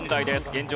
現状